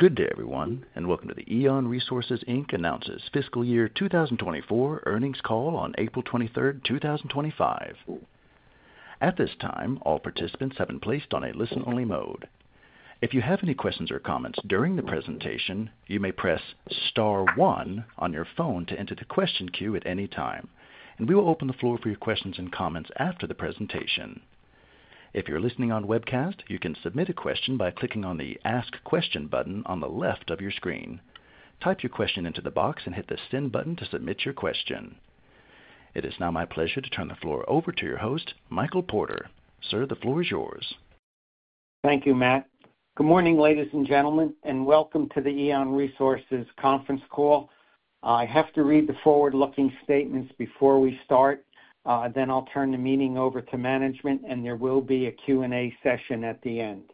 Good day, everyone, and welcome to the EON Resources Inc announces Fiscal Year 2024 earnings call on April 23rd, 2025. At this time, all participants have been placed on a listen-only mode. If you have any questions or comments during the presentation, you may press star one on your phone to enter the question queue at any time, and we will open the floor for your questions and comments after the presentation. If you're listening on webcast, you can submit a question by clicking on the Ask Question button on the left of your screen. Type your question into the box and hit the Send button to submit your question. It is now my pleasure to turn the floor over to your host, Michael Porter. Sir, the floor is yours. Thank you, Matt. Good morning, ladies and gentlemen, and welcome to the EON Resources Conference Call. I have to read the forward-looking statements before we start, then I'll turn the meeting over to management, and there will be a Q&A session at the end.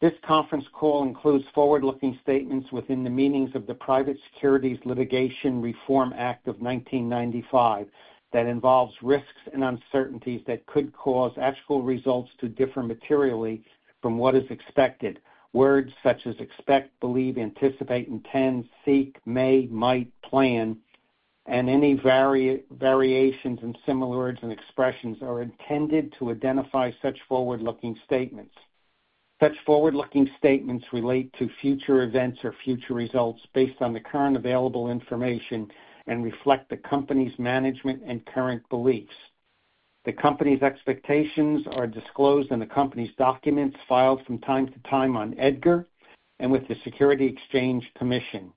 This conference call includes forward-looking statements within the meanings of the Private Securities Litigation Reform Act of 1995 that involves risks and uncertainties that could cause actual results to differ materially from what is expected. Words such as expect, believe, anticipate, intend, seek, may, might, plan, and any variations in similar words and expressions are intended to identify such forward-looking statements. Such forward-looking statements relate to future events or future results based on the current available information and reflect the company's management and current beliefs. The company's expectations are disclosed in the company's documents filed from time to time on EDGAR and with the Securities and Exchange Commission.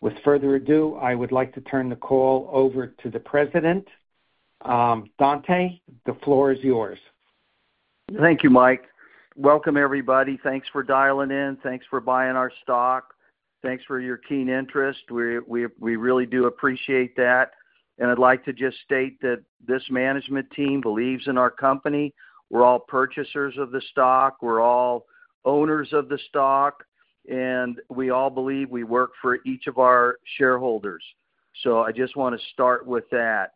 With further ado, I would like to turn the call over to the President, Dante. The floor is yours. Thank you, Mike. Welcome, everybody. Thanks for dialing in. Thanks for buying our stock. Thanks for your keen interest. We really do appreciate that. I would like to just state that this management team believes in our company. We are all purchasers of the stock. We are all owners of the stock, and we all believe we work for each of our shareholders. I just want to start with that.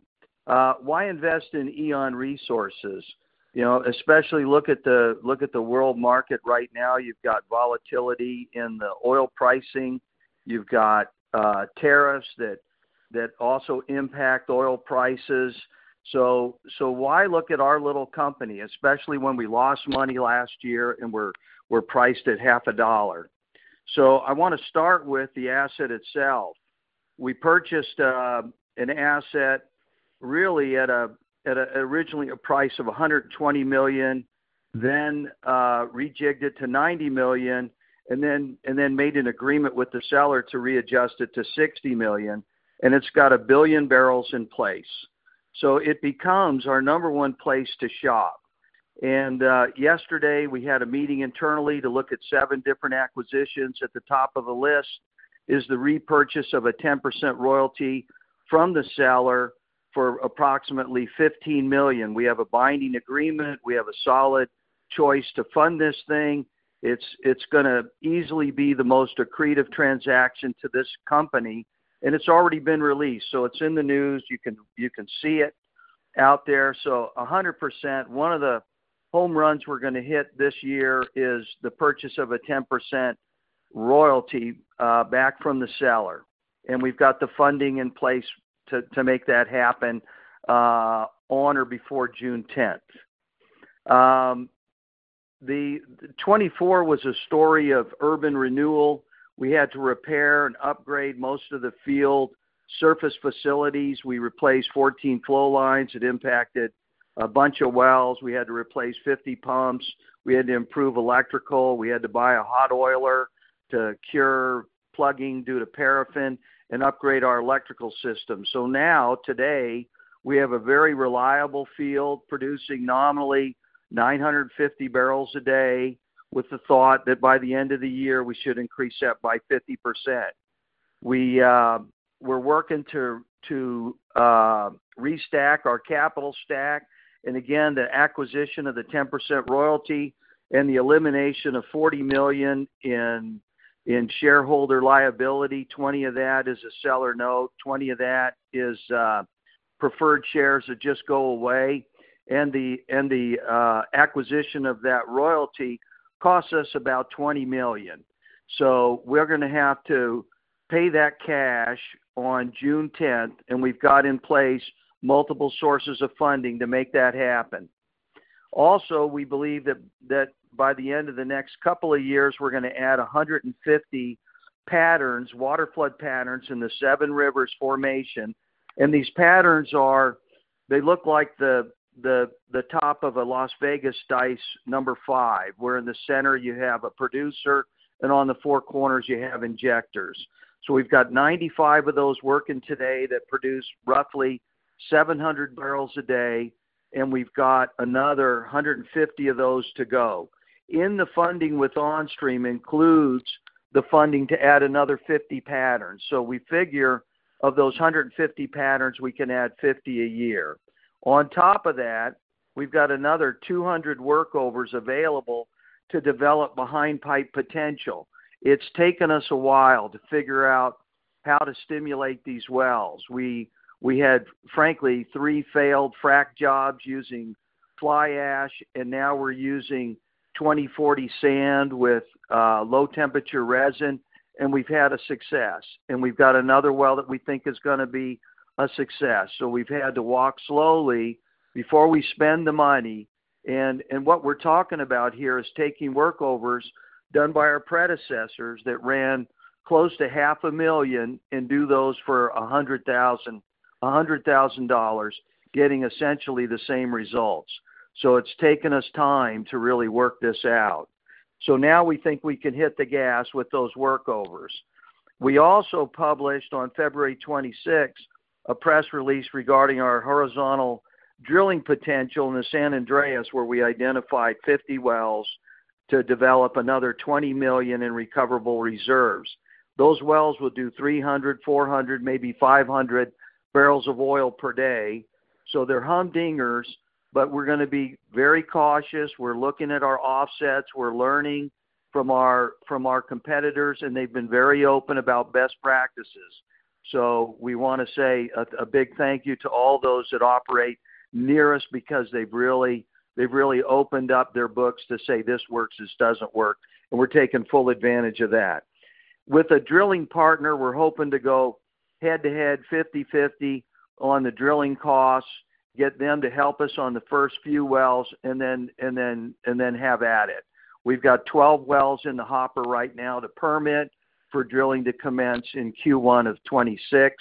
Why invest in EON Resources? Especially look at the world market right now. You have got volatility in the oil pricing. You have got tariffs that also impact oil prices. Why look at our little company, especially when we lost money last year and we are priced at half a dollar? I want to start with the asset itself. We purchased an asset, really, at originally a price of $120 million, then rejigged it to $90 million, and then made an agreement with the seller to readjust it to $60 million. It has a billion barrels in place. It becomes our number one place to shop. Yesterday, we had a meeting internally to look at seven different acquisitions. At the top of the list is the repurchase of a 10% royalty from the seller for approximately $15 million. We have a binding agreement. We have a solid choice to fund this thing. It is going to easily be the most accretive transaction to this company. It has already been released. It is in the news. You can see it out there. 100%, one of the home runs we are going to hit this year is the purchase of a 10% royalty back from the seller. We have the funding in place to make that happen on or before June 10th. The 2024 was a story of urban renewal. We had to repair and upgrade most of the field surface facilities. We replaced 14 flow lines. It impacted a bunch of wells. We had to replace 50 pumps. We had to improve electrical. We had to buy a hot oiler to cure plugging due to paraffin and upgrade our electrical system. Now, today, we have a very reliable field producing nominally 950 barrels a day with the thought that by the end of the year, we should increase that by 50%. We are working to restack our capital stack. Again, the acquisition of the 10% royalty and the elimination of $40 million in shareholder liability, 20 of that is a seller note, 20 of that is preferred shares that just go away. The acquisition of that royalty costs us about $20 million. We are going to have to pay that cash on June 10th, and we have in place multiple sources of funding to make that happen. Also, we believe that by the end of the next couple of years, we are going to add 150 waterflood patterns in the Seven Rivers Formation. These patterns look like the top of a Las Vegas dice number five, where in the center you have a producer, and on the four corners, you have injectors. We have 95 of those working today that produce roughly 700 barrels a day, and we have another 150 of those to go. The funding with OnStream includes the funding to add another 50 patterns. We figure of those 150 patterns, we can add 50 a year. On top of that, we've got another 200 workovers available to develop behind-pipe potential. It's taken us a while to figure out how to stimulate these wells. We had, frankly, three failed frac jobs using fly ash, and now we're using 2040 sand with low-temperature resin, and we've had a success. We've got another well that we think is going to be a success. We've had to walk slowly before we spend the money. What we're talking about here is taking workovers done by our predecessors that ran close to $500,000 and do those for $100,000, getting essentially the same results. It's taken us time to really work this out. Now we think we can hit the gas with those workovers. We also published on February 26th a press release regarding our horizontal drilling potential in the San Andres, where we identified 50 wells to develop another $20 million in recoverable reserves. Those wells will do 300, 400, maybe 500 barrels of oil per day. They are humdingers, but we are going to be very cautious. We are looking at our offsets. We are learning from our competitors, and they have been very open about best practices. We want to say a big thank you to all those that operate near us because they have really opened up their books to say, "This works, this does not work." We are taking full advantage of that. With a drilling partner, we are hoping to go head-to-head 50/50 on the drilling costs, get them to help us on the first few wells, and then have at it. We've got 12 wells in the hopper right now to permit for drilling to commence in Q1 of 2026.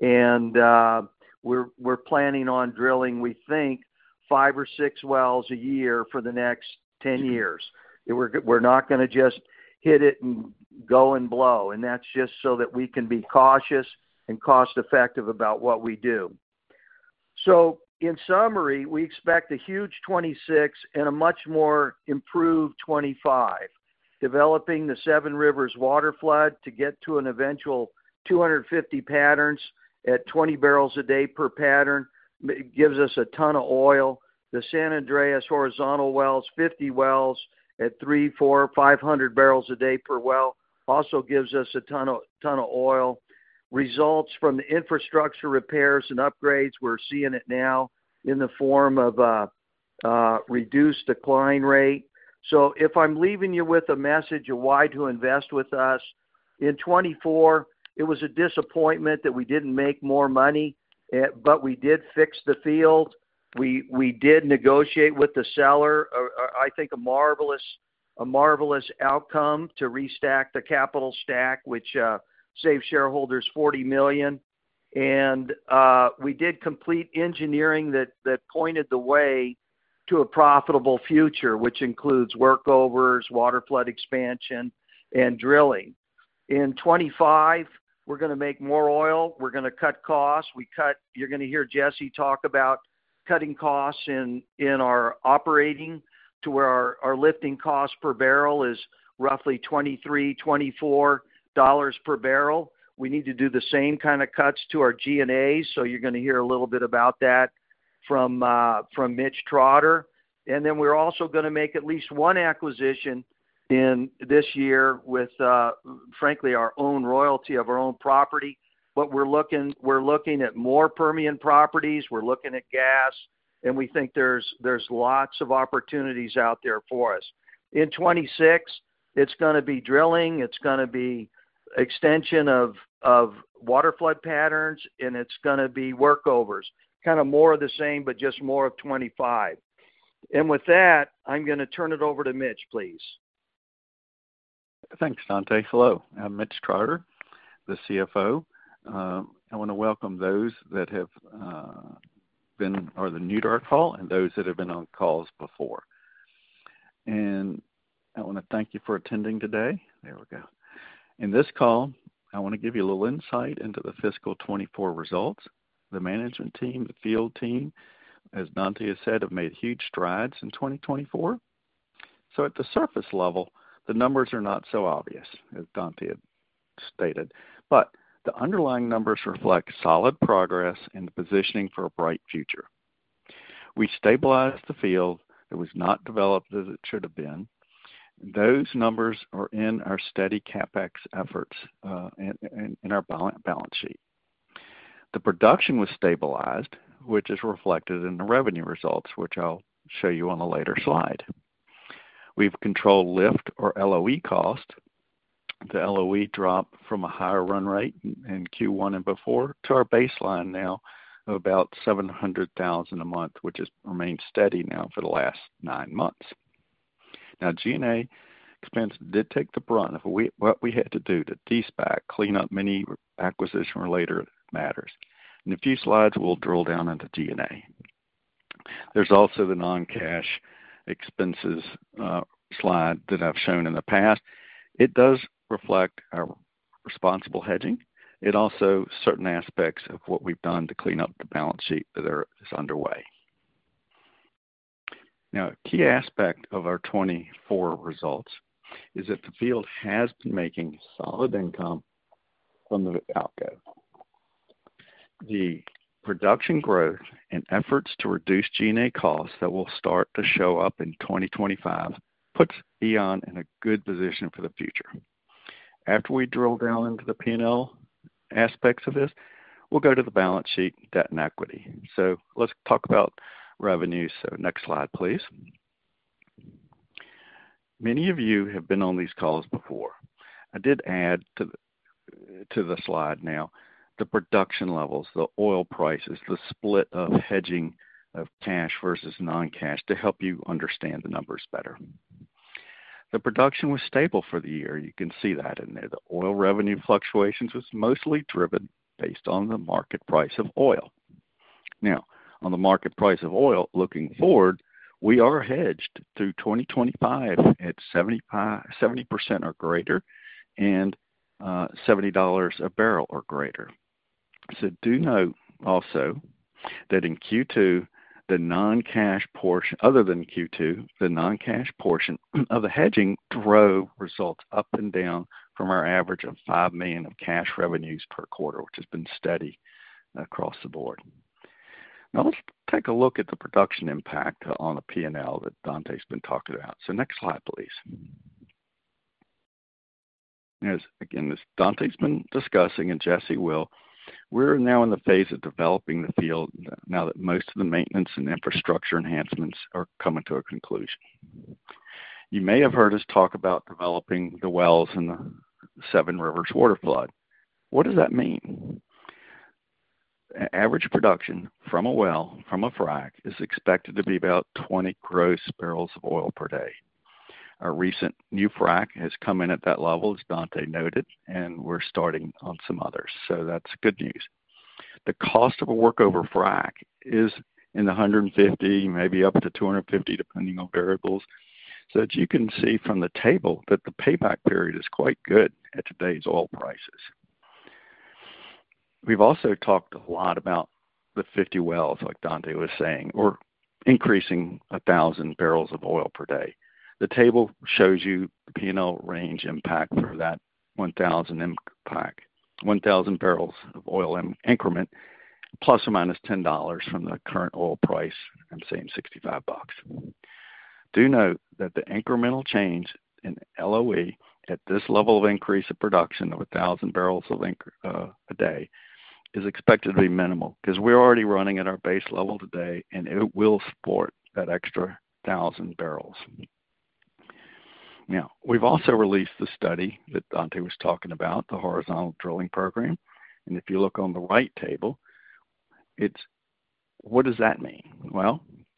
We are planning on drilling, we think, five or six wells a year for the next 10 years. We are not going to just hit it and go and blow. That is just so that we can be cautious and cost-effective about what we do. In summary, we expect a huge 2026 and a much more improved 2025. Developing the Seven Rivers Waterflood to get to an eventual 250 patterns at 20 barrels a day per pattern gives us a ton of oil. The San Andres horizontal wells, 50 wells at 300-400-500 barrels a day per well, also gives us a ton of oil. Results from the infrastructure repairs and upgrades, we are seeing it now in the form of a reduced decline rate. If I'm leaving you with a message of why to invest with us, in 2024, it was a disappointment that we didn't make more money, but we did fix the field. We did negotiate with the seller. I think a marvelous outcome to restack the capital stack, which saved shareholders $40 million. We did complete engineering that pointed the way to a profitable future, which includes workovers, waterflood expansion, and drilling. In 2025, we're going to make more oil. We're going to cut costs. You're going to hear Jesse talk about cutting costs in our operating to where our lifting cost per barrel is roughly $23-$24 per barrel. We need to do the same kind of cuts to our G&A. You're going to hear a little bit about that from Mitch Trotter. We're also going to make at least one acquisition this year with, frankly, our own royalty of our own property. We're looking at more Permian properties. We're looking at gas, and we think there's lots of opportunities out there for us. In 2026, it's going to be drilling. It's going to be extension of waterflood patterns, and it's going to be workovers. Kind of more of the same, but just more of 2025. With that, I'm going to turn it over to Mitch, please. Thanks, Dante. Hello. I'm Mitch Trotter, the CFO. I want to welcome those that have been on the New York call and those that have been on calls before. I want to thank you for attending today. There we go. In this call, I want to give you a little insight into the fiscal 2024 results. The management team, the field team, as Dante has said, have made huge strides in 2024. At the surface level, the numbers are not so obvious, as Dante had stated. The underlying numbers reflect solid progress and positioning for a bright future. We stabilized the field. It was not developed as it should have been. Those numbers are in our steady CapEx efforts in our balance sheet. The production was stabilized, which is reflected in the revenue results, which I'll show you on a later slide. We've controlled lift or LOE cost. The LOE dropped from a higher run rate in Q1 and before to our baseline now of about $700,000 a month, which has remained steady now for the last nine months. Now, G&A expenses did take the brunt of what we had to do to despack, clean up many acquisition-related matters. In a few slides, we'll drill down into G&A. There's also the non-cash expenses slide that I've shown in the past. It does reflect our responsible hedging. It also shows certain aspects of what we've done to clean up the balance sheet that is underway. Now, a key aspect of our 2024 results is that the field has been making solid income from the outgo. The production growth and efforts to reduce G&A costs that will start to show up in 2025 puts EON in a good position for the future. After we drill down into the P&L aspects of this, we'll go to the balance sheet, debt, and equity. Let's talk about revenues. Next slide, please. Many of you have been on these calls before. I did add to the slide now the production levels, the oil prices, the split of hedging of cash versus non-cash to help you understand the numbers better. The production was stable for the year. You can see that in there. The oil revenue fluctuations was mostly driven based on the market price of oil. Now, on the market price of oil looking forward, we are hedged through 2025 at 70% or greater and $70 a barrel or greater. Do note also that in Q2, the non-cash portion, other than Q2, the non-cash portion of the hedging drove results up and down from our average of $5 million of cash revenues per quarter, which has been steady across the board. Now, let's take a look at the production impact on the P&L that Dante's been talking about. Next slide, please. Again, as Dante's been discussing and Jesse will, we're now in the phase of developing the field now that most of the maintenance and infrastructure enhancements are coming to a conclusion. You may have heard us talk about developing the wells in the Seven Rivers Waterflood. What does that mean? Average production from a well, from a frac, is expected to be about 20 gross barrels of oil per day. Our recent new frac has come in at that level, as Dante noted, and we're starting on some others. That is good news. The cost of a workover frac is in the $150,000, maybe up to $250,000, depending on variables. You can see from the table that the payback period is quite good at today's oil prices. We have also talked a lot about the 50 wells, like Dante was saying, or increasing 1,000 barrels of oil per day. The table shows you the P&L range impact for that 1,000 barrels of oil increment, ±$10 from the current oil price, I am saying $65. Do note that the incremental change in LOE at this level of increase of production of 1,000 barrels a day is expected to be minimal because we are already running at our base level today, and it will support that extra 1,000 barrels. Now, we've also released the study that Dante was talking about, the horizontal drilling program. If you look on the right table, what does that mean?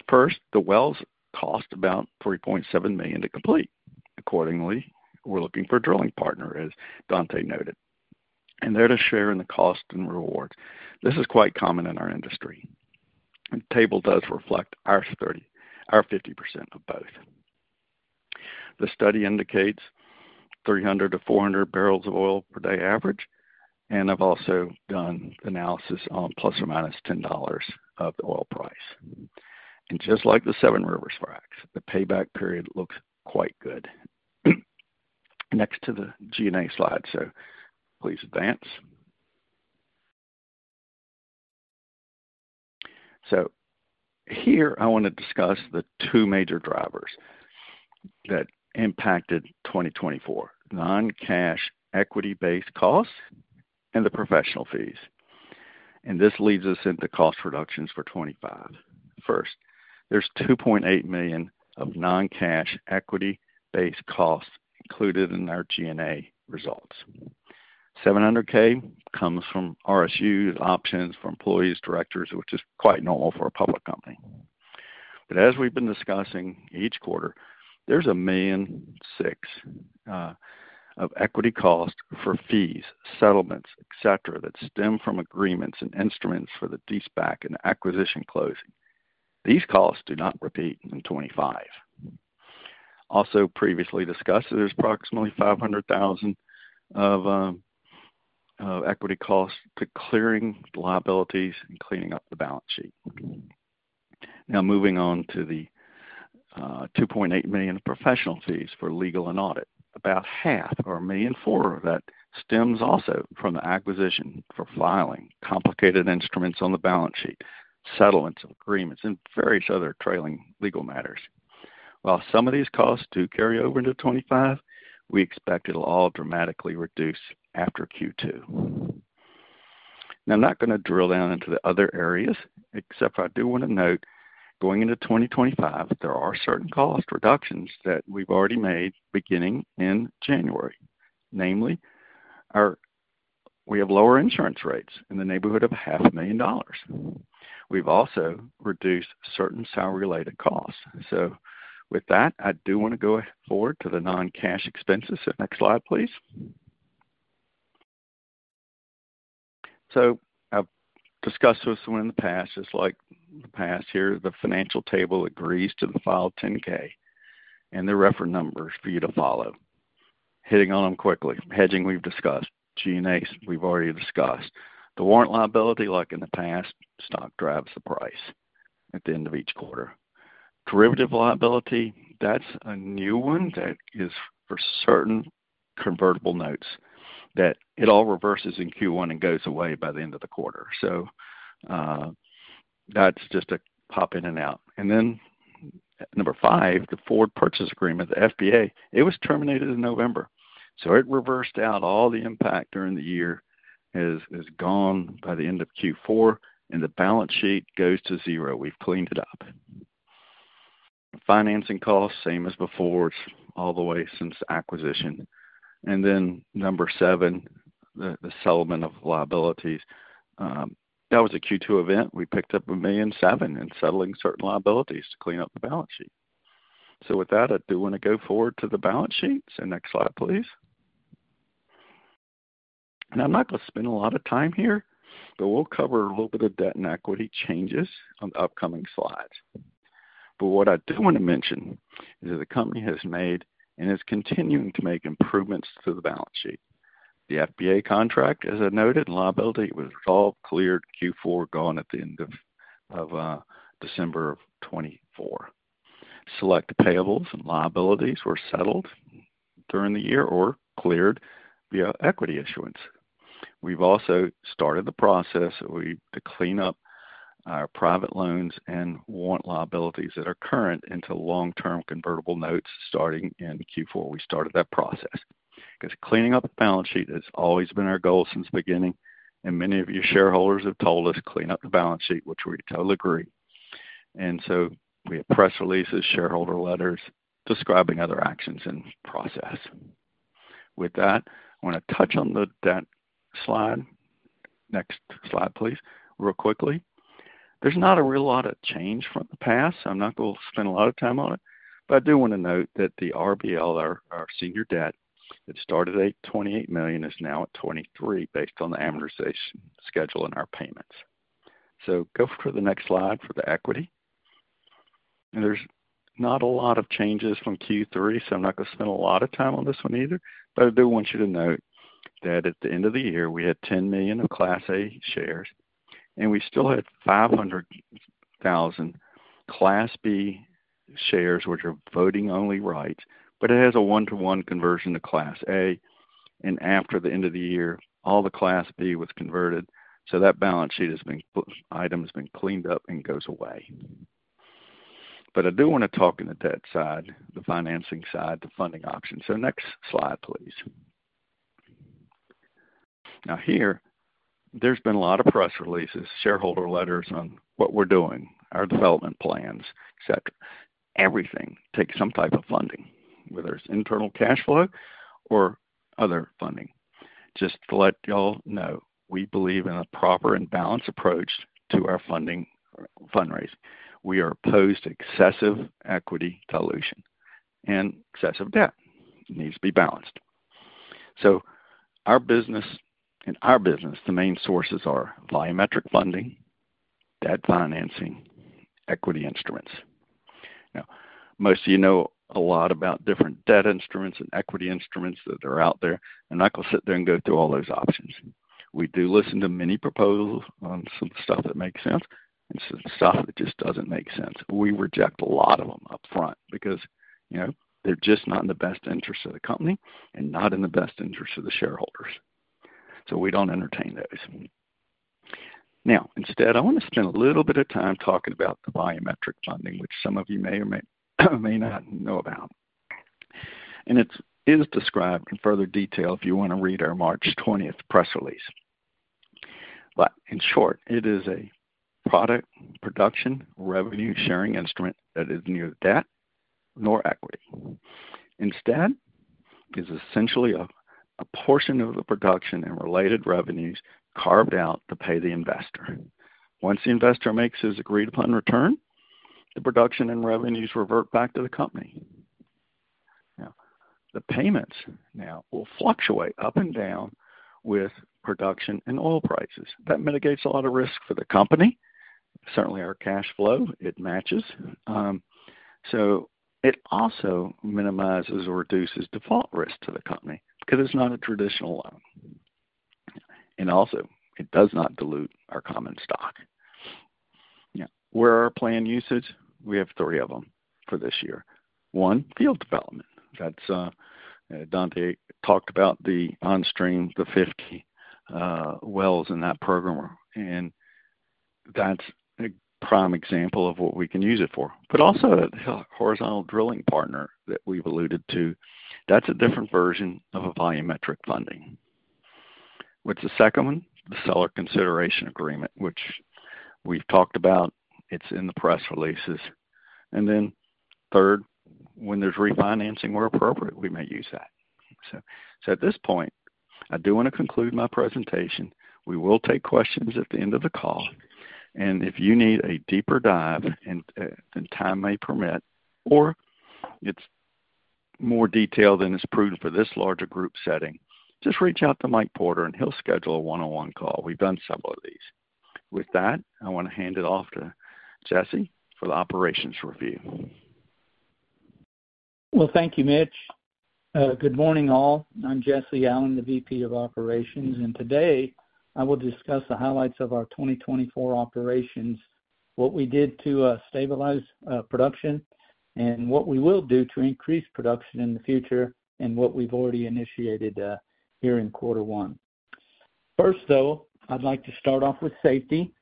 First, the wells cost about $3.7 million to complete. Accordingly, we're looking for a drilling partner, as Dante noted. They're to share in the cost and rewards. This is quite common in our industry. The table does reflect our 50% of both. The study indicates 300-400 barrels of oil per day average. I've also done analysis on ±$10 of the oil price. Just like the Seven Rivers fracs, the payback period looks quite good. Next to the G&A slide, please advance. Here, I want to discuss the two major drivers that impacted 2024: non-cash equity-based costs and the professional fees. This leads us into cost reductions for 2025. First, there's $2.8 million of non-cash equity-based costs included in our G&A results. $700,000 comes from RSUs, options for employees, directors, which is quite normal for a public company. As we've been discussing each quarter, there's $1.6 million of equity costs for fees, settlements, etc., that stem from agreements and instruments for the despac and acquisition closing. These costs do not repeat in 2025. Also previously discussed, there's approximately $500,000 of equity costs to clearing liabilities and cleaning up the balance sheet. Now, moving on to the $2.8 million of professional fees for legal and audit. About half, or $1.4 million of that, stems also from the acquisition for filing, complicated instruments on the balance sheet, settlements of agreements, and various other trailing legal matters. While some of these costs do carry over into 2025, we expect it'll all dramatically reduce after Q2. Now, I'm not going to drill down into the other areas, except I do want to note going into 2025, there are certain cost reductions that we've already made beginning in January. Namely, we have lower insurance rates in the neighborhood of $500,000. We've also reduced certain salary-related costs. With that, I do want to go forward to the non-cash expenses. Next slide, please. I've discussed with someone in the past, just like the past here, the financial table agrees to the file 10-K and the reference numbers for you to follow. Hitting on them quickly. Hedging we've discussed. G&As we've already discussed. The warrant liability, like in the past, stock drives the price at the end of each quarter. Derivative liability, that's a new one that is for certain convertible notes that it all reverses in Q1 and goes away by the end of the quarter. That's just a pop in and out. Number five, the Forward Purchase Agreement, the FPA, it was terminated in November. It reversed out all the impact during the year and is gone by the end of Q4, and the balance sheet goes to zero. We've cleaned it up. Financing costs, same as before, all the way since acquisition. Number seven, the settlement of liabilities. That was a Q2 event. We picked up $1.7 million in settling certain liabilities to clean up the balance sheet. With that, I do want to go forward to the balance sheets. Next slide, please. Now, I'm not going to spend a lot of time here, but we'll cover a little bit of debt and equity changes on the upcoming slides. What I do want to mention is that the company has made and is continuing to make improvements to the balance sheet. The FPA contract, as I noted, liability was resolved, cleared, Q4 gone at the end of December of 2024. Select payables and liabilities were settled during the year or cleared via equity issuance. We've also started the process to clean up our private loans and warrant liabilities that are current into long-term convertible notes starting in Q4. We started that process because cleaning up the balance sheet has always been our goal since the beginning. Many of you shareholders have told us, "Clean up the balance sheet," which we totally agree. We have press releases, shareholder letters describing other actions and process. With that, I want to touch on the debt slide. Next slide, please, real quickly. There's not a real lot of change from the past. I'm not going to spend a lot of time on it. I do want to note that the RBL, our senior debt, that started at $28 million, is now at $23 million based on the amortization schedule and our payments. Go for the next slide for the equity. There's not a lot of changes from Q3, so I'm not going to spend a lot of time on this one either. I do want you to note that at the end of the year, we had 10 million of Class A shares. We still had 500,000 Class B shares, which are voting-only rights. It has a one-to-one conversion to Class A. After the end of the year, all the Class B was converted. That balance sheet has been cleaned up and goes away. I do want to talk on the debt side, the financing side, the funding options. Next slide, please. Now, here, there's been a lot of press releases, shareholder letters on what we're doing, our development plans, etc. Everything takes some type of funding, whether it's internal cash flow or other funding. Just to let y'all know, we believe in a proper and balanced approach to our funding fundraising. We are opposed to excessive equity dilution and excessive debt. It needs to be balanced. In our business, the main sources are volumetric funding, debt financing, equity instruments. Now, most of you know a lot about different debt instruments and equity instruments that are out there. I'm not going to sit there and go through all those options. We do listen to many proposals on some stuff that makes sense and some stuff that just doesn't make sense. We reject a lot of them upfront because they're just not in the best interest of the company and not in the best interest of the shareholders. We don't entertain those. Instead, I want to spend a little bit of time talking about the volumetric funding, which some of you may or may not know about. It is described in further detail if you want to read our March 20th press release. In short, it is a product production revenue sharing instrument that is neither debt nor equity. Instead, it is essentially a portion of the production and related revenues carved out to pay the investor. Once the investor makes his agreed-upon return, the production and revenues revert back to the company. The payments now will fluctuate up and down with production and oil prices. That mitigates a lot of risk for the company. Certainly, our cash flow, it matches. It also minimizes or reduces default risk to the company because it is not a traditional loan. It does not dilute our common stock. Now, where are our planned usage? We have three of them for this year. One, field development. Dante talked about the on-stream, the 50 wells in that program. That is a prime example of what we can use it for. Also, the horizontal drilling partner that we have alluded to, that is a different version of volumetric funding. What is the second one? The seller consideration agreement, which we've talked about. It's in the press releases. Third, when there's refinancing where appropriate, we may use that. At this point, I do want to conclude my presentation. We will take questions at the end of the call. If you need a deeper dive and time may permit, or it's more detailed than is prudent for this larger group setting, just reach out to Mike Porter, and he'll schedule a one-on-one call. We've done several of these. With that, I want to hand it off to Jesse for the operations review. Thank you, Mitch. Good morning, all. I'm Jesse Allen, the VP of Operations. Today, I will discuss the highlights of our 2024 operations, what we did to stabilize production, what we will do to increase production in the future, and what we've already initiated here in quarter one. First, though, I'd like to start off with safety.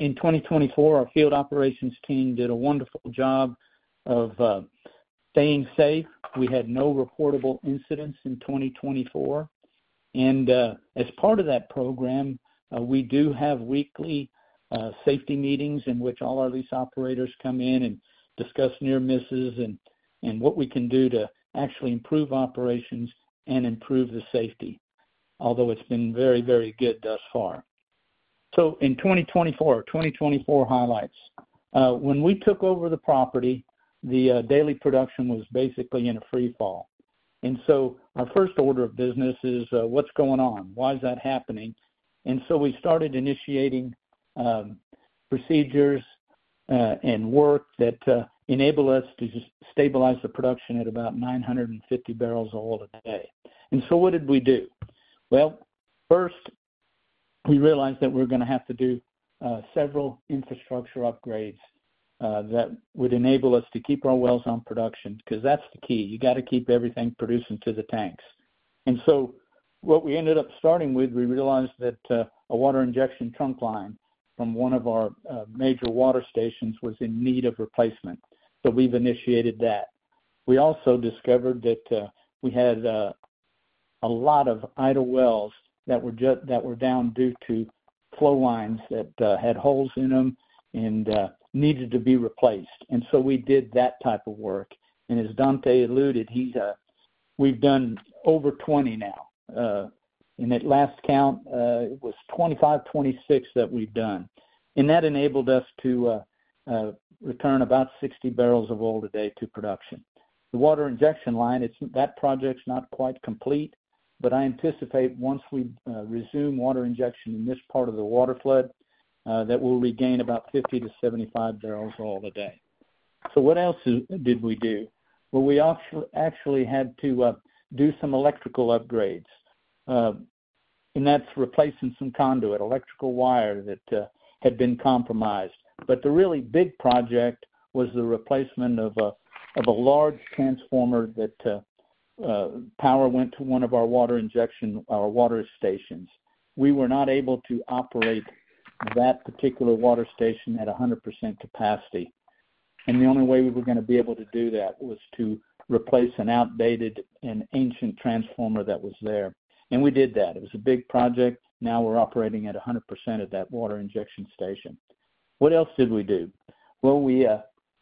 In 2024, our field operations team did a wonderful job of staying safe. We had no reportable incidents in 2024. As part of that program, we do have weekly safety meetings in which all our lease operators come in and discuss near misses and what we can do to actually improve operations and improve the safety, although it's been very, very good thus far. In 2024, 2024 highlights, when we took over the property, the daily production was basically in a free fall. Our first order of business is, what's going on? Why is that happening? We started initiating procedures and work that enable us to stabilize the production at about 950 barrels a hole a day. What did we do? First, we realized that we were going to have to do several infrastructure upgrades that would enable us to keep our wells on production because that's the key. You got to keep everything producing to the tanks. What we ended up starting with, we realized that a water injection trunk line from one of our major water stations was in need of replacement. We have initiated that. We also discovered that we had a lot of idle wells that were down due to flow lines that had holes in them and needed to be replaced. We did that type of work. As Dante alluded, we've done over 20 now. At last count, it was 25, 26 that we've done. That enabled us to return about 60 barrels of oil a day to production. The water injection line, that project's not quite complete, but I anticipate once we resume water injection in this part of the waterflood, that we'll regain about 50-75 barrels of oil a day. What else did we do? We actually had to do some electrical upgrades. That's replacing some conduit, electrical wire that had been compromised. The really big project was the replacement of a large transformer that power went to one of our water injection, our water stations. We were not able to operate that particular water station at 100% capacity. The only way we were going to be able to do that was to replace an outdated and ancient transformer that was there. We did that. It was a big project. Now we are operating at 100% at that water injection station. What else did we do? We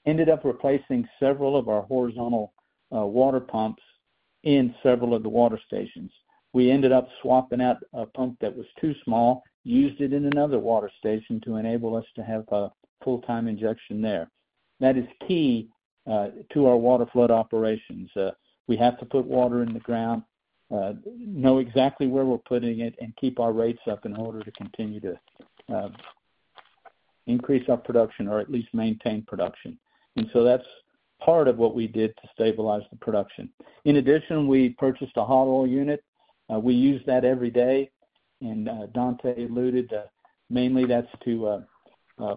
ended up replacing several of our horizontal water pumps in several of the water stations. We ended up swapping out a pump that was too small, used it in another water station to enable us to have a full-time injection there. That is key to our waterflood operations. We have to put water in the ground, know exactly where we are putting it, and keep our rates up in order to continue to increase our production or at least maintain production. That is part of what we did to stabilize the production. In addition, we purchased a hot oil unit. We use that every day. Dante alluded, mainly that's to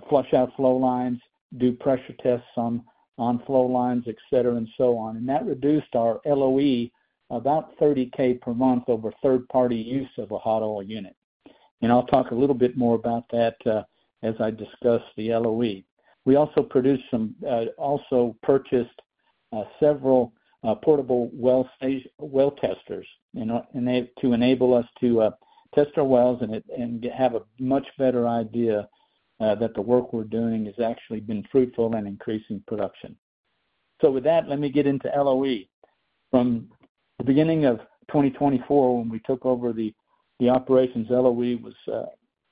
flush out flow lines, do pressure tests on flow lines, etc., and so on. That reduced our LOE about $30,000 per month over third-party use of a hot oil unit. I'll talk a little bit more about that as I discuss the LOE. We also purchased several portable well testers to enable us to test our wells and have a much better idea that the work we're doing has actually been fruitful and increasing production. With that, let me get into LOE. From the beginning of 2024, when we took over the operations, LOE was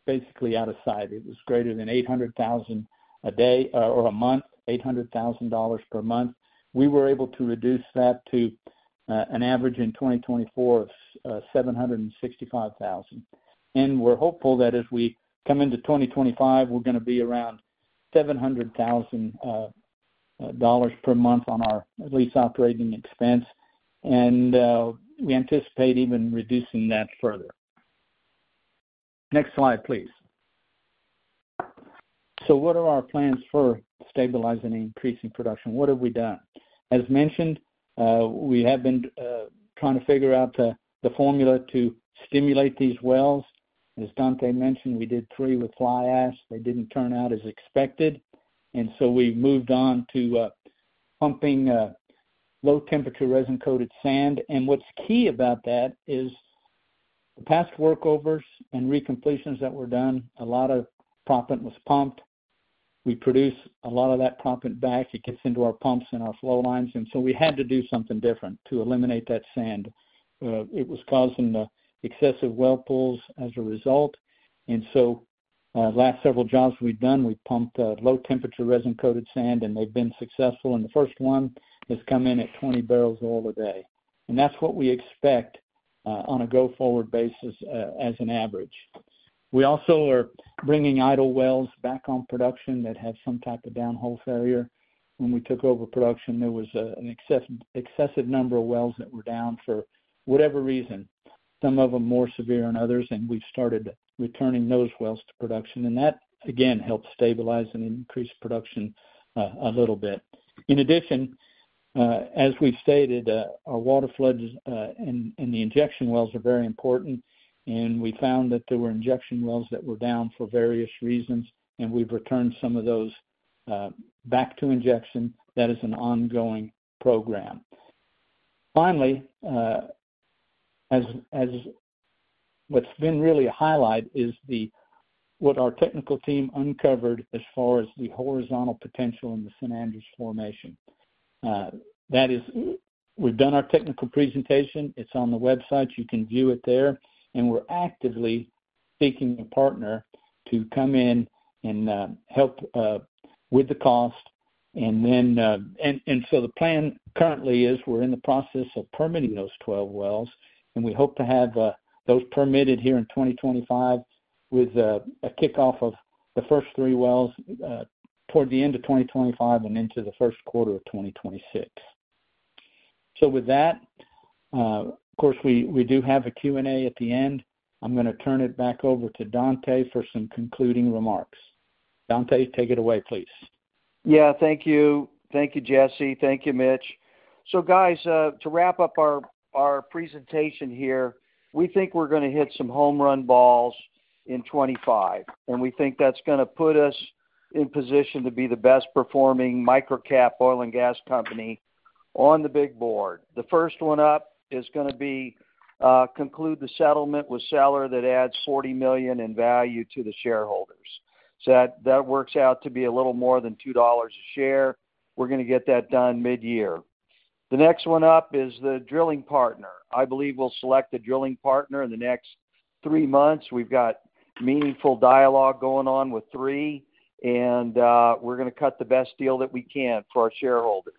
basically out of sight. It was greater than $800,000 a day or a month, $800,000 per month. We were able to reduce that to an average in 2024 of $765,000. We're hopeful that as we come into 2025, we're going to be around $700,000 per month on our lease operating expense. We anticipate even reducing that further. Next slide, please. What are our plans for stabilizing and increasing production? What have we done? As mentioned, we have been trying to figure out the formula to stimulate these wells. As Dante mentioned, we did three with fly ash. They didn't turn out as expected. We moved on to pumping low-temperature resin-coated sand. What's key about that is the past workovers and recompletions that were done, a lot of proppant was pumped. We produce a lot of that proppant back. It gets into our pumps and our flow lines. We had to do something different to eliminate that sand. It was causing excessive well pools as a result. The last several jobs we've done, we've pumped low-temperature resin-coated sand, and they've been successful. The first one has come in at 20 barrels all the day. That's what we expect on a go-forward basis as an average. We also are bringing idle wells back on production that have some type of down hole failure. When we took over production, there was an excessive number of wells that were down for whatever reason, some of them more severe than others. We've started returning those wells to production. That, again, helps stabilize and increase production a little bit. In addition, as we've stated, our water floods and the injection wells are very important. We found that there were injection wells that were down for various reasons. We've returned some of those back to injection. That is an ongoing program. Finally, what's been really a highlight is what our technical team uncovered as far as the horizontal potential in the San Andres Formation. That is, we've done our technical presentation. It's on the website. You can view it there. We're actively seeking a partner to come in and help with the cost. The plan currently is we're in the process of permitting those 12 wells. We hope to have those permitted here in 2025 with a kickoff of the first three wells toward the end of 2025 and into the first quarter of 2026. Of course, we do have a Q&A at the end. I'm going to turn it back over to Dante for some concluding remarks. Dante, take it away, please. Yeah, thank you. Thank you, Jesse. Thank you, Mitch. Guys, to wrap up our presentation here, we think we're going to hit some home run balls in 2025. We think that's going to put us in position to be the best-performing microcap oil and gas company on the big board. The first one up is going to be conclude the settlement with seller that adds $40 million in value to the shareholders. That works out to be a little more than $2 a share. We're going to get that done mid-year. The next one up is the drilling partner. I believe we'll select a drilling partner in the next three months. We've got meaningful dialogue going on with three. We're going to cut the best deal that we can for our shareholders.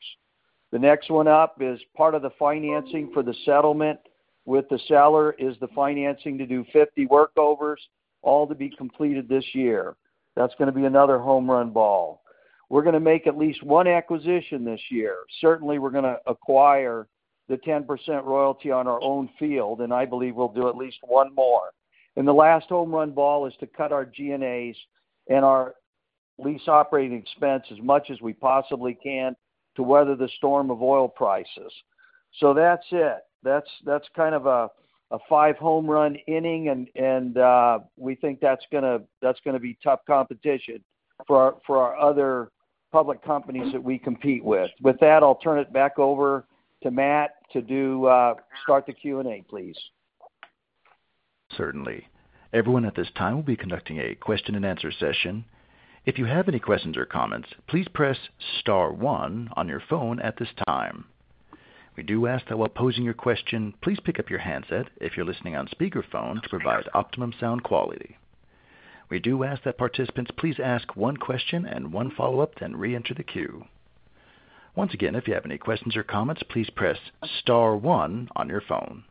The next one up is part of the financing for the settlement with the seller is the financing to do 50 workovers, all to be completed this year. That's going to be another home run ball. We're going to make at least one acquisition this year. Certainly, we're going to acquire the 10% royalty on our own field. I believe we'll do at least one more. The last home run ball is to cut our G&As and our lease operating expense as much as we possibly can to weather the storm of oil prices. That's it. That's kind of a five-home run inning. We think that's going to be tough competition for our other public companies that we compete with. With that, I'll turn it back over to Matt to start the Q&A, please. Certainly. Everyone at this time will be conducting a question-and-answer session. If you have any questions or comments, please press star one on your phone at this time. We do ask that while posing your question, please pick up your handset if you're listening on speakerphone to provide optimum sound quality. We do ask that participants please ask one question and one follow-up, then re-enter the queue. Once again, if you have any questions or comments, please press star one on your phone.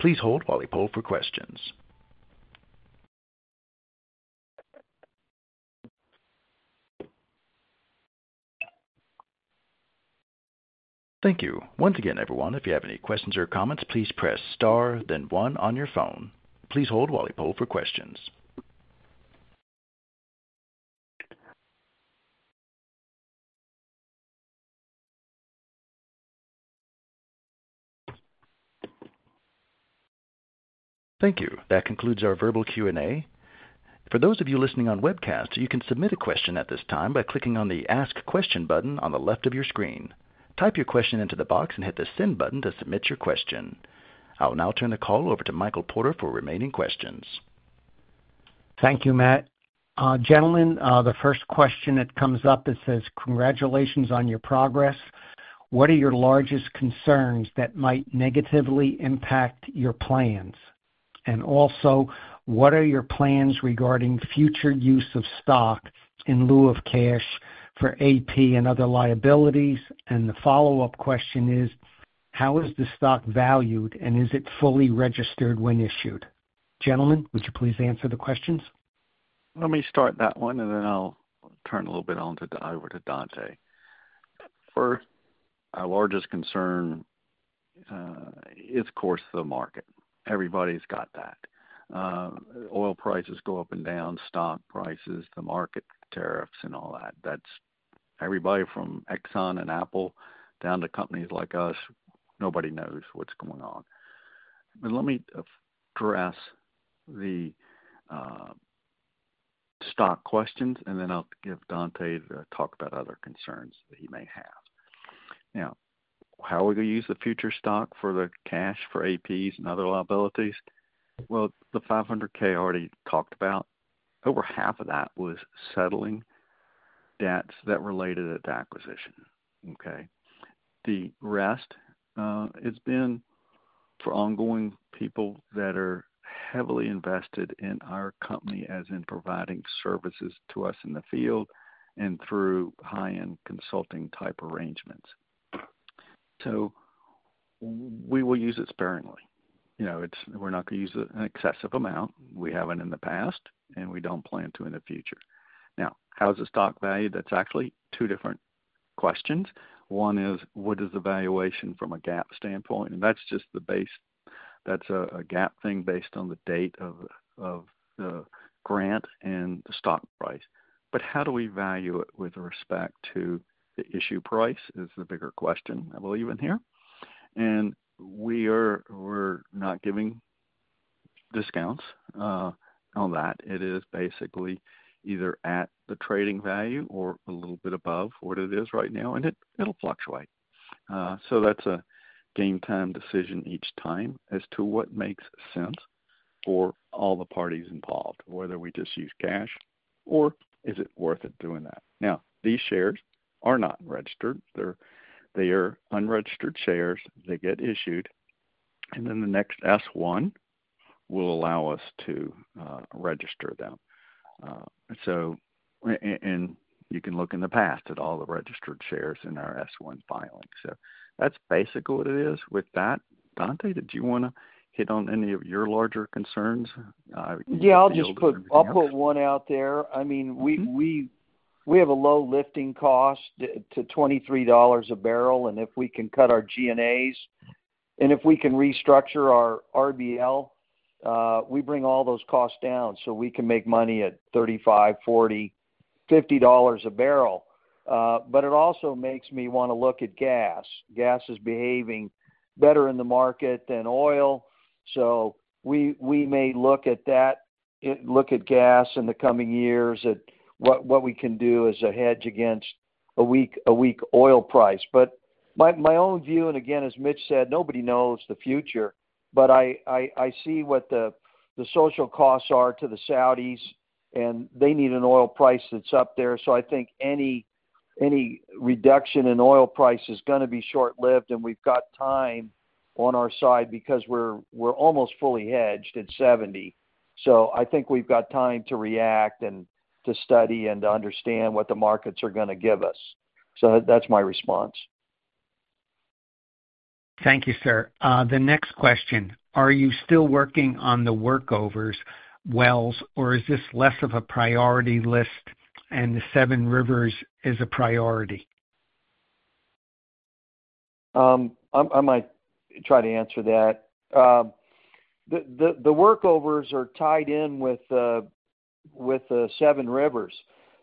Please hold while we pull for questions. Thank you. Once again, everyone, if you have any questions or comments, please press star, then one on your phone. Please hold while we pull for questions. Thank you. That concludes our verbal Q&A. For those of you listening on webcast, you can submit a question at this time by clicking on the ask question button on the left of your screen. Type your question into the box and hit the send button to submit your question. I'll now turn the call over to Michael Porter for remaining questions. Thank you, Matt. Gentlemen, the first question that comes up, it says, "Congratulations on your progress. What are your largest concerns that might negatively impact your plans?" Also, "What are your plans regarding future use of stock in lieu of cash for AP and other liabilities?" The follow-up question is, "How is the stock valued and is it fully registered when issued?" Gentlemen, would you please answer the questions? Let me start that one, and then I'll turn a little bit over to Dante. First, our largest concern is, of course, the market. Everybody's got that. Oil prices go up and down, stock prices, the market tariffs, and all that. Everybody from Exxon and Apple down to companies like us, nobody knows what's going on. Let me address the stock questions, and then I'll give Dante to talk about other concerns that he may have. Now, how are we going to use the future stock for the cash for APs and other liabilities? The $500,000 I already talked about. Over half of that was settling debts that related to acquisition. The rest has been for ongoing people that are heavily invested in our company, as in providing services to us in the field and through high-end consulting type arrangements. We will use it sparingly. We're not going to use an excessive amount. We haven't in the past, and we don't plan to in the future. Now, how's the stock valued? That's actually two different questions. One is, what is the valuation from a GAAP standpoint? That's just the base. That's a gap thing based on the date of the grant and the stock price. How do we value it with respect to the issue price is the bigger question, I believe, in here. We're not giving discounts on that. It is basically either at the trading value or a little bit above what it is right now, and it'll fluctuate. That's a game-time decision each time as to what makes sense for all the parties involved, whether we just use cash or is it worth it doing that. These shares are not registered. They are unregistered shares. They get issued. The next S-1 will allow us to register them. You can look in the past at all the registered shares in our S-1 filing. That's basically what it is with that. Dante, did you want to hit on any of your larger concerns? Yeah, I'll put one out there. I mean, we have a low lifting cost to $23 a barrel. If we can cut our G&As and if we can restructure our RBL, we bring all those costs down so we can make money at $35, $40, $50 a barrel. It also makes me want to look at gas. Gas is behaving better in the market than oil. We may look at that, look at gas in the coming years, at what we can do as a hedge against a weak oil price. My own view, and again, as Mitch said, nobody knows the future, but I see what the social costs are to the Saudis, and they need an oil price that's up there. I think any reduction in oil price is going to be short-lived, and we've got time on our side because we're almost fully hedged at $70. I think we've got time to react and to study and to understand what the markets are going to give us. That's my response. Thank you, sir. The next question. Are you still working on the workovers, wells, or is this less of a priority list and the Seven Rivers is a priority? I might try to answer that. The workovers are tied in with the Seven Rivers.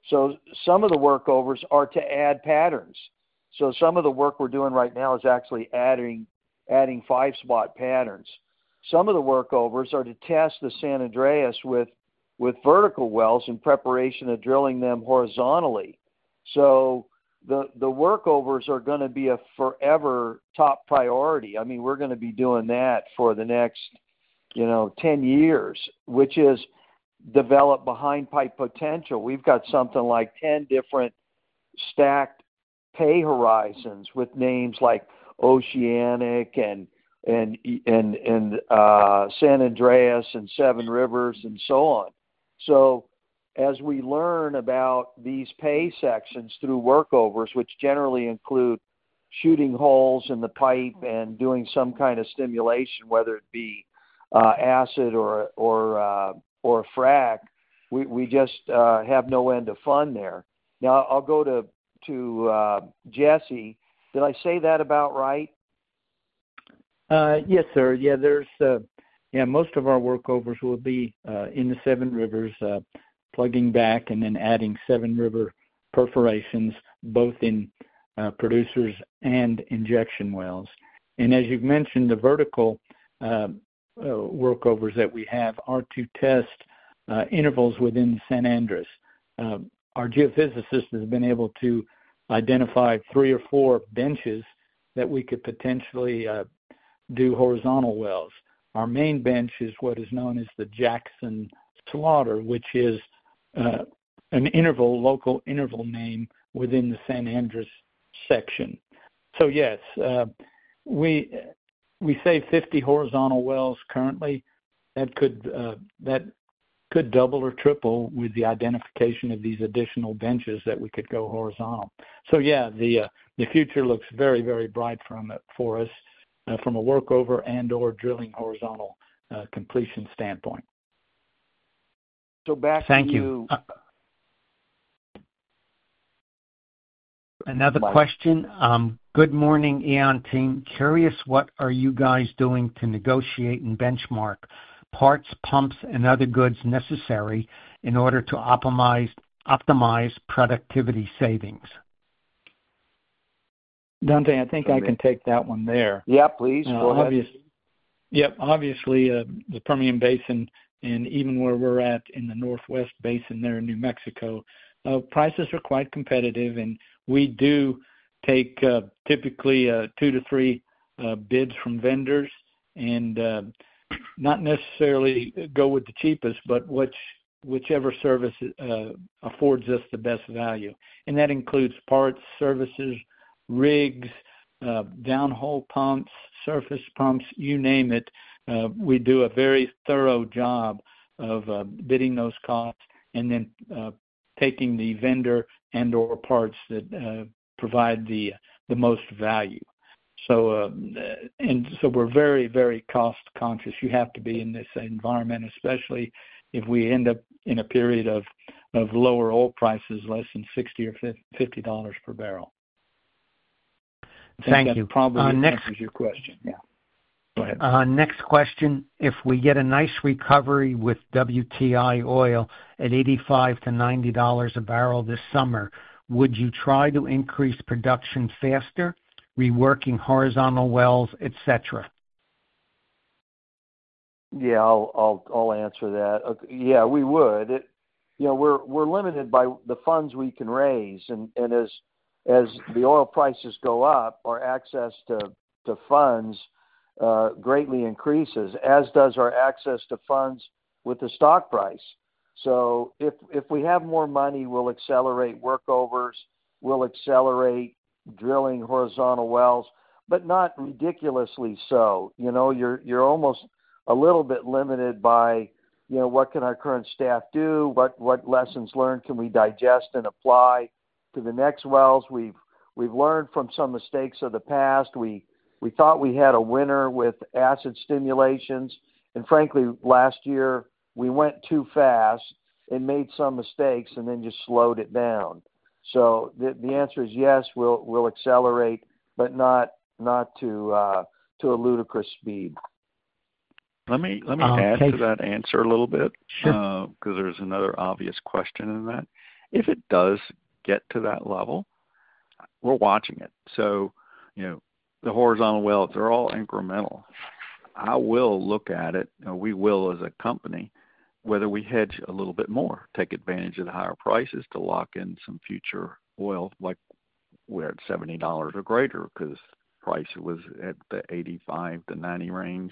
Some of the workovers are to add patterns. Some of the work we're doing right now is actually adding five-spot patterns. Some of the workovers are to test the San Andres with vertical wells in preparation of drilling them horizontally. The workovers are going to be a forever top priority. I mean, we're going to be doing that for the next 10 years, which is developed behind-pipe potential. We've got something like 10 different stacked pay horizons with names like Oceanic and San Andres and Seven Rivers and so on. As we learn about these pay sections through workovers, which generally include shooting holes in the pipe and doing some kind of stimulation, whether it be acid or frac, we just have no end of fun there. Now, I'll go to Jesse. Did I say that about right? Yes, sir. Yeah, most of our workovers will be in the Seven Rivers, plugging back and then adding Seven Rivers perforations, both in producers and injection wells. As you've mentioned, the vertical workovers that we have are to test intervals within the San Andres. Our geophysicist has been able to identify three or four benches that we could potentially do horizontal wells. Our main bench is what is known as the Jackson Slaughter, which is a local interval name within the San Andres section. Yes, we save 50 horizontal wells currently. That could double or triple with the identification of these additional benches that we could go horizontal. The future looks very, very bright for us from a workover and/or drilling horizontal completion standpoint. Thank you. Another question. Good morning, EON team. Curious what are you guys doing to negotiate and benchmark parts, pumps, and other goods necessary in order to optimize productivity savings? Dante, I think I can take that one there. Yeah, please. Go ahead. Obviously, the Permian Basin and even where we're at in the Northwest Shelf there in New Mexico, prices are quite competitive. We do take typically two to three bids from vendors and not necessarily go with the cheapest, but whichever service affords us the best value. That includes parts, services, rigs, downhole pumps, surface pumps, you name it. We do a very thorough job of bidding those costs and then taking the vendor and/or parts that provide the most value. We are very, very cost-conscious. You have to be in this environment, especially if we end up in a period of lower oil prices, less than $60 or $50 per barrel. Thank you. That probably answers your question. Yeah. Go ahead. Next question. If we get a nice recovery with WTI oil at $85-$90 a barrel this summer, would you try to increase production faster, reworking horizontal wells, etc.? Yeah, I'll answer that. Yeah, we would. We are limited by the funds we can raise. As the oil prices go up, our access to funds greatly increases, as does our access to funds with the stock price. If we have more money, we'll accelerate workovers. We'll accelerate drilling horizontal wells, but not ridiculously so. You're almost a little bit limited by what can our current staff do? What lessons learned can we digest and apply to the next wells? We've learned from some mistakes of the past. We thought we had a winner with acid stimulations. Frankly, last year, we went too fast and made some mistakes and then just slowed it down. The answer is yes, we'll accelerate, but not to a ludicrous speed. Let me add to that answer a little bit because there's another obvious question in that. If it does get to that level, we're watching it. The horizontal wells, they're all incremental. I will look at it, and we will as a company, whether we hedge a little bit more, take advantage of the higher prices to lock in some future oil like we're at $70 or greater because price was at the $85-$90 range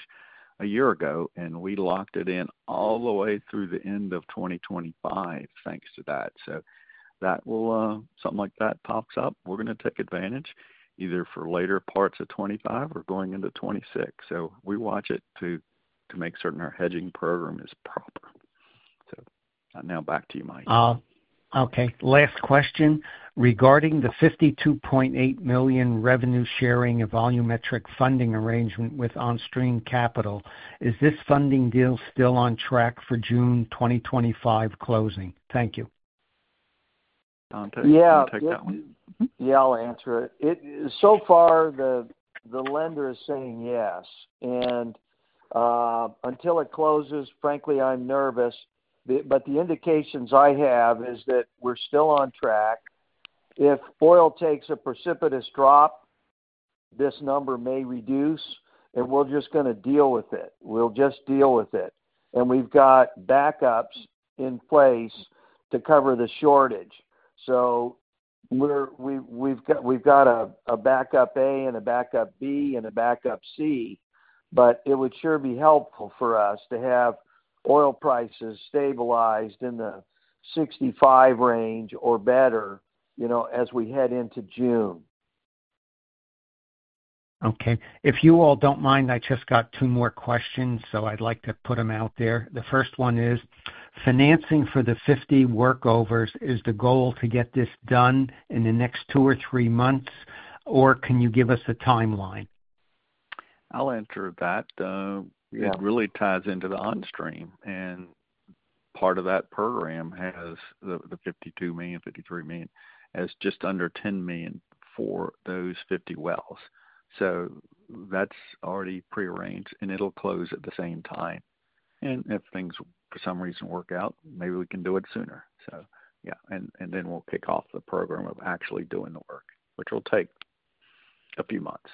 a year ago, and we locked it in all the way through the end of 2025 thanks to that. If something like that pops up, we're going to take advantage either for later parts of 2025 or going into 2026. We watch it to make certain our hedging program is proper. Now back to you, Mike. Okay. Last question. Regarding the $52.8 million revenue-sharing volumetric funding arrangement with OnStream Capital, is this funding deal still on track for June 2025 closing? Thank you. Dante, you want to take that one? Yeah, I'll answer it. So far, the lender is saying yes. Until it closes, frankly, I'm nervous. The indications I have is that we're still on track. If oil takes a precipitous drop, this number may reduce, and we're just going to deal with it. We'll just deal with it. We've got backups in place to cover the shortage. We've got a backup A and a backup B and a backup C. It would sure be helpful for us to have oil prices stabilized in the $65 range or better as we head into June. Okay. If you all don't mind, I just got two more questions, so I'd like to put them out there. The first one is, financing for the 50 workovers, is the goal to get this done in the next two or three months, or can you give us a timeline? I'll answer that. It really ties into the OnStream. Part of that program has the $52 million, $53 million, as just under $10 million for those 50 wells. That is already prearranged, and it will close at the same time. If things, for some reason, work out, maybe we can do it sooner. Yeah. Then we will kick off the program of actually doing the work, which will take a few months.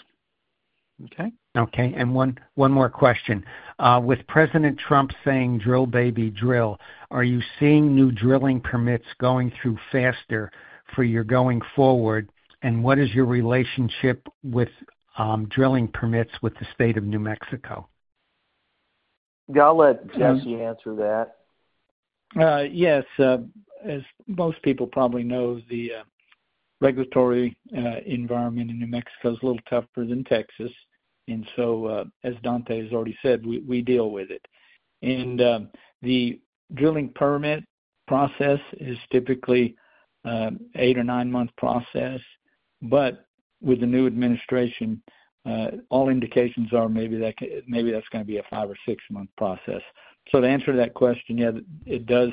Okay? Okay. One more question. With President Trump saying, "Drill, baby, drill," are you seeing new drilling permits going through faster for your going forward? What is your relationship with drilling permits with the state of New Mexico? I will let Jesse answer that. Yes. As most people probably know, the regulatory environment in New Mexico is a little tougher than Texas. As Dante has already said, we deal with it. The drilling permit process is typically an eight or nine-month process. With the new administration, all indications are maybe that's going to be a five or six-month process. To answer that question, yeah, it does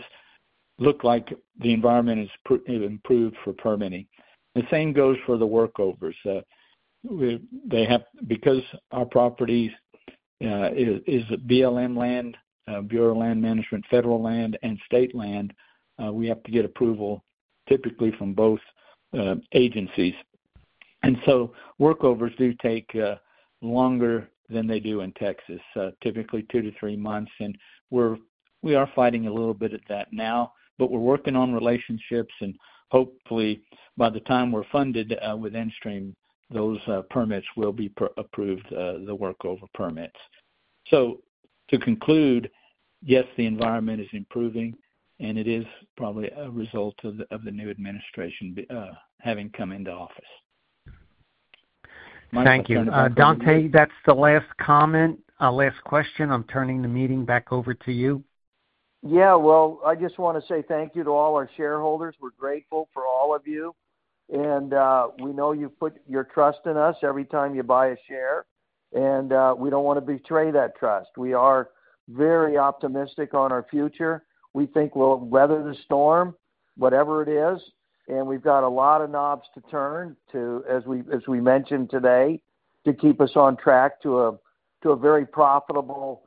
look like the environment has improved for permitting. The same goes for the workovers. Because our property is BLM land, Bureau of Land Management, federal land, and state land, we have to get approval typically from both agencies. Workovers do take longer than they do in Texas, typically two to three months. We are fighting a little bit at that now, but we're working on relationships. Hopefully, by the time we're funded with OnStream, those permits will be approved, the workover permits. To conclude, yes, the environment is improving, and it is probably a result of the new administration having come into office. Thank you. Dante, that's the last comment, last question. I'm turning the meeting back over to you. Yeah. I just want to say thank you to all our shareholders. We're grateful for all of you. We know you've put your trust in us every time you buy a share. We don't want to betray that trust. We are very optimistic on our future. We think we'll weather the storm, whatever it is. We've got a lot of knobs to turn, as we mentioned today, to keep us on track to a very profitable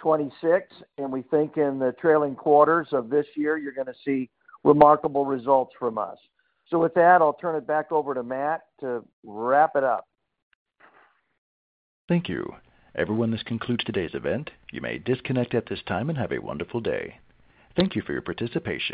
2026. We think in the trailing quarters of this year, you're going to see remarkable results from us. With that, I'll turn it back over to Matt to wrap it up. Thank you. Everyone, this concludes today's event. You may disconnect at this time and have a wonderful day. Thank you for your participation.